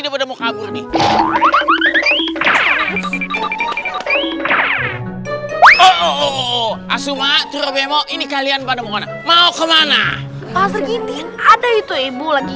udah mau kabur nih asuma trobemo ini kalian pada mau kemana mau kemana ada itu ibu lagi